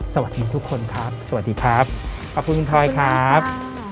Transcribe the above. สวัสดีทุกคนครับสวัสดีครับขอบคุณคุณทอยครับ